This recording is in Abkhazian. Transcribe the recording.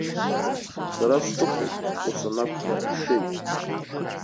Сара сҿыхоуп, ус анакәха, ишеит.